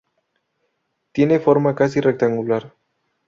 Tiene forma casi rectangular.